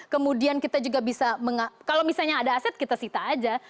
kemudian kita juga bisa kalau misalnya ada aset kita sita aja